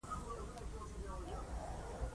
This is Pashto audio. زه ادویه نه خوښوم.